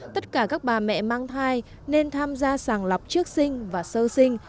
tất cả các bà mẹ mang thai nên tham gia sàng lọc trước sinh và sơ sinh